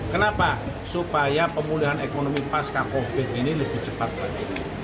kenapa supaya pemulihan ekonomi pasca covid ini lebih cepat lagi